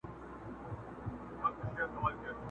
زه مسافر پر لاره ځم سلګۍ وهمه.!